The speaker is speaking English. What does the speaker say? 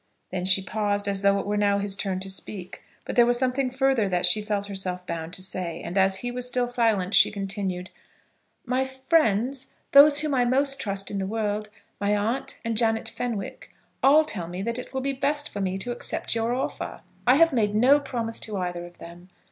Then she paused, as though it were now his turn to speak; but there was something further that she felt herself bound to say, and, as he was still silent, she continued. "My friends, those whom I most trust in the world, my aunt and Janet Fenwick, all tell me that it will be best for me to accept your offer. I have made no promise to either of them.